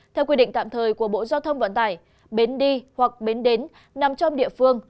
theo quy định tạm thời của bộ giao thông vận tải bến đi hoặc bến đến nằm trong địa phương